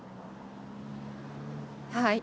はい。